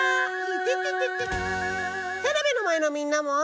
テレビのまえのみんなも。